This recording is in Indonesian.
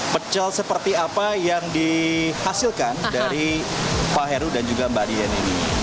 pecel seperti apa yang dihasilkan dari pak heru dan juga mbak dian ini